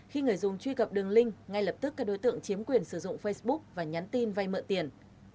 khi người dùng truy cập đường link ngay lập tức các đối tượng chiếm quyền sử dụng facebook và nhắn tin vay mượn tiền